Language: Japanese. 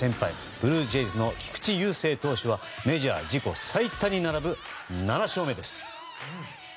ブルージェイズの菊池雄星投手はメジャー自己最多に並ぶ７勝目です。